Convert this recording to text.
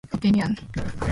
オピニオン